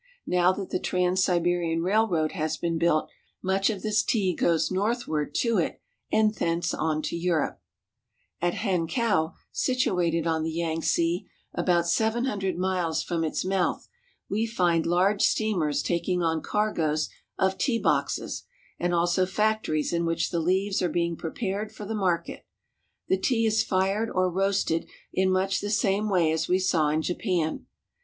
Now that the Trans Siberian Railroad has been built, much of this tea goes northward to it, and thence on to Europe. "The tea is packed in lead lined boxes." At Hankau, situated on the Yangtze about seven hun dred miles from its mouth, we find large steamers taking on cargoes of tea boxes, and also factories in which the leaves are being prepared for the market. The tea is fired or roasted in mijch the same way as we saw in Japan.